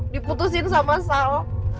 diputusin sama sal